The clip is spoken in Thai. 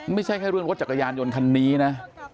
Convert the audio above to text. ไม่ใช่แค่เรื่องรถจักรยานยนต์คันนี้นะ